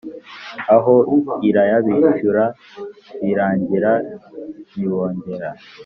aho irayabishyura birarangira ntibongera